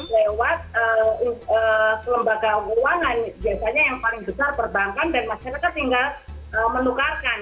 lewat kelembagaan uang dan biasanya yang paling besar perbankan dan masyarakat tinggal menukarkan